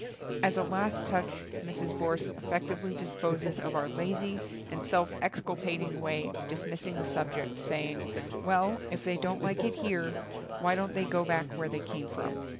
As a last touch, Mrs. Vorse effectually disposes of our lazy and self exculpat ing way of dismissing the subject say ing, "WeU, if they don't like it here. 84 THE BOOKMAN why don't they go back where they came from?"